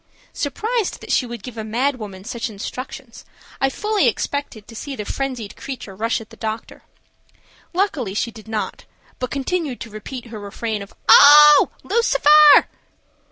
Surprised that she would give a mad woman such instructions, I fully expected to see the frenzied creature rush at the doctor. Luckily she did not, but commenced to repeat her refrain of "Oh, Lucifer."